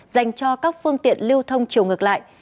dành cho các phương tiện lưu thông chiều ngược lại